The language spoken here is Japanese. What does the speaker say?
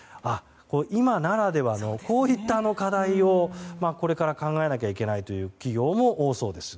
今ならではの、こういった課題をこれから考えなきゃいけない企業も多そうです。